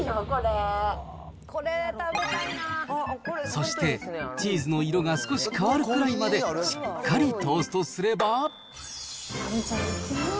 そして、チーズの色が少し変わるくらいまで、しっかりトーストすれば。